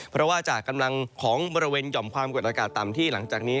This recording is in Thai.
เพราะว่าจากกำลังของบริเวณหย่อมความกดอากาศต่ำที่หลังจากนี้